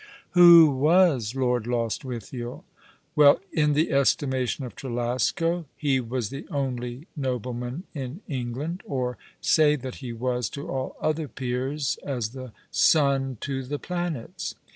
Who was Lord Lostwithiel? Well, in the estimation of Trclasco he was the only nobleman in England, or say that he was to all other peers as the sun to the planets.